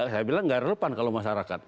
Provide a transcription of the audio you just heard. saya bilang nggak relevan kalau masyarakat